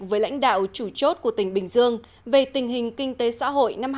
với lãnh đạo chủ chốt của tỉnh bình dương về tình hình kinh tế xã hội năm hai nghìn một mươi chín